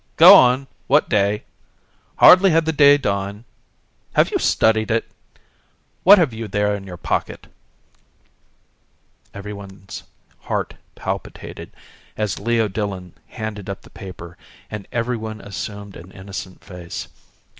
_ Go on! What day? 'Hardly had the day dawned'.... Have you studied it? What have you there in your pocket?" Everyone's heart palpitated as Leo Dillon handed up the paper and everyone assumed an innocent face.